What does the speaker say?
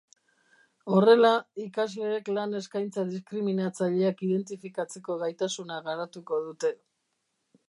Horrela, ikasleek lan-eskaintza diskriminatzaileak identifi katzeko gaitasuna garatuko dute.